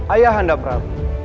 ayah anda prabu